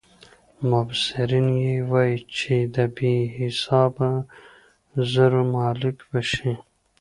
مبصرین یې وايي چې د بې حسابه زرو مالک به شي.